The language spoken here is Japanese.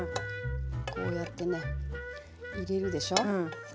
こうやってね入れるでしょ。